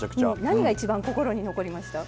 何が一番心に残りました？